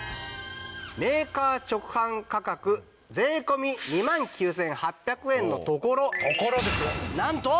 メーカー直販価格税込２万９８００円のところなんと。